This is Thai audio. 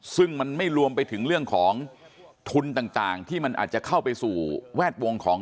ซึ่งมันไม่รวมไปถึงเรื่องของทุนต่างที่มันอาจจะเข้าไปสู่แวดวงของ